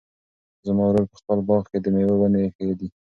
زما ورور په خپل باغ کې د مېوو ونې ایښي دي.